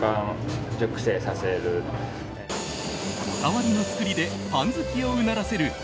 こだわりの作りでパン好きをうならせる